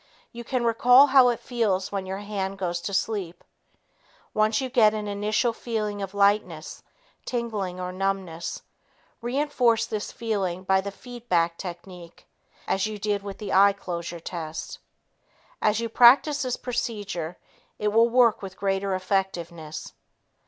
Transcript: You can recall how it feels when your hand goes to sleep. Once you get an initial feeling of lightness, tingling or numbness, reinforce this feeling by the feed back technique as you did with the eye closure test. As you practice this procedure, it will work with greater effectiveness.